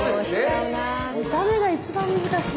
見た目が一番難しい。